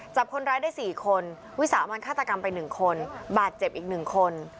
จับคนร้ายได้๔คนวิสามันฆาตกรรมไป๑คนบาดเจ็บอีก๑คน